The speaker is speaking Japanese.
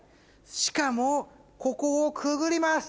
しかもここをくぐります。